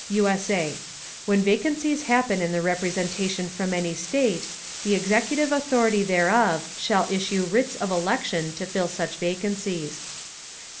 [USA] When vacancies happen in the Representation from any State, the Executive Authority thereof shall issue Writs of Election to fill such Vacancies.